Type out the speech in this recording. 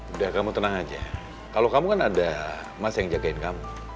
udah kamu tenang aja kalau kamu kan ada mas yang jagain kamu